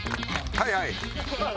「はいはい」？